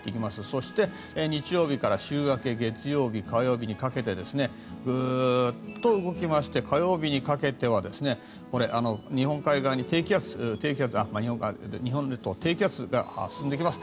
そして、日曜日から週明け月曜日、火曜日にかけてグーッと動きまして火曜日にかけてはこれ、日本海側、日本列島に低気圧が進んでいきます。